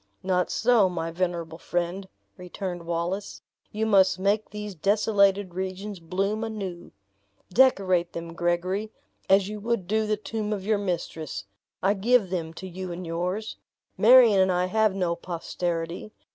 "Not so, my venerable friend," returned Wallace; "you must make these desolated regions bloom anew! Decorate them, Gregory, as you would do the tomb of your mistress. I give them to you and yours. Marion and I have no posterity!